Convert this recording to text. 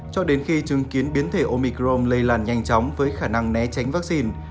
cho đến khi chứng kiến biến thể omicron lây làn nhanh chóng với khả năng né tránh vaccine